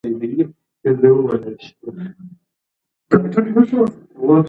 پوهاند رښتین د پښتو ادب په پنځو ستورو کې یو ځانګړی مقام درلود.